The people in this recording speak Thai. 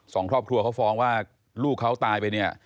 สองครอบครัวเขาฟ้องว่าลูกเขาตายไปเนี่ย